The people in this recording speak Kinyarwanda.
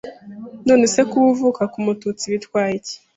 none se kuba avuka ku mututsi bitway’iki